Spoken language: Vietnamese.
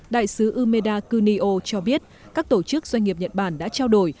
đại sứ umeda kunio cho biết các tổ chức doanh nghiệp nhật bản đã trao đổi